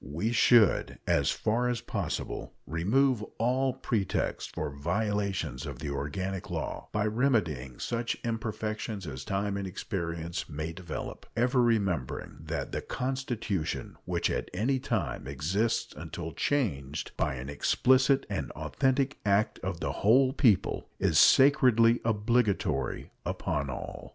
We should, as far as possible, remove all pretext for violations of the organic law, by remedying such imperfections as time and experience may develop, ever remembering that "the constitution which at any time exists until changed by an explicit and authentic act of the whole people is sacredly obligatory upon all."